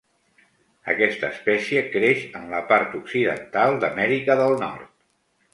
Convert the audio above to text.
Aquesta espècie creix en la part occidental d'Amèrica del Nord.